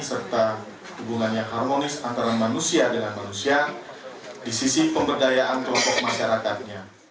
serta hubungannya harmonis antara manusia dengan manusia di sisi pemberdayaan kelompok masyarakatnya